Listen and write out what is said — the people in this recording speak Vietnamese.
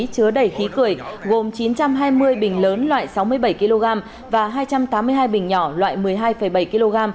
chứa đầy khí cười gồm chín trăm hai mươi bình lớn loại sáu mươi bảy kg và hai trăm tám mươi hai bình nhỏ loại một mươi hai bảy kg